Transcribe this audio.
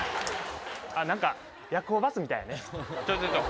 なんか夜行バスみたいやね。